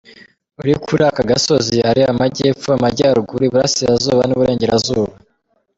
Uri kuri aka gasozi areba amajyepfo, amajyaruguru, iburasirazuba n’uburengerazuba.